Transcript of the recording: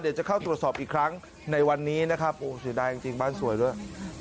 เดี๋ยวจะเข้าตรวจสอบอีกครั้งในวันนี้นะครับโอ้เสียดายจริงบ้านสวยด้วย